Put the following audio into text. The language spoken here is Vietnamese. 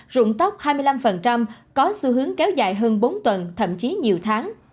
rụng tóc hai mươi năm có xu hướng kéo dài hơn bốn tuần thậm chí nhiều tháng